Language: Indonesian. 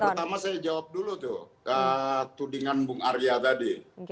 pertama saya jawab dulu tuh tudingan bung arya tadi